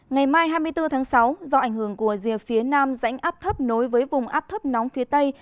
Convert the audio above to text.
ngày mai hai mươi bốn tháng sáu do ảnh hưởng của rìa phía nam dãnh áp thấp nối với vùng áp thấp nóng phía tây